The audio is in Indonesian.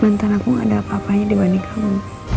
mantan aku gak ada apa apanya dibanding kamu